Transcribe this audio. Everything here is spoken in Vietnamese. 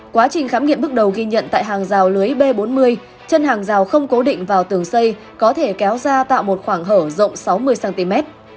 quá trình khám nghiệm bước đầu ghi nhận tại hàng rào lưới b bốn mươi chân hàng rào không cố định vào tường xây có thể kéo ra tạo một khoảng hở rộng sáu mươi cm